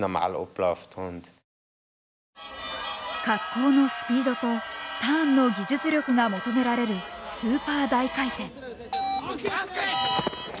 滑降のスピードとターンの技術力が求められるスーパー大回転。